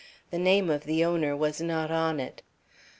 The name of the owner was not on it."